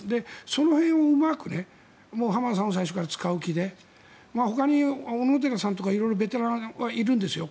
その辺をうまく浜田さんを最初から使う気でほかに小野寺さんとか色々ベテランはいるんですよ